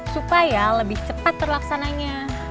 supaya lebih cepat perlaksananya